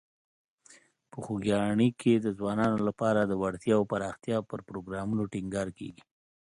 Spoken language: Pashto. په خوږیاڼي کې د ځوانانو لپاره د وړتیاوو پراختیا پر پروګرامونو ټینګار کیږي.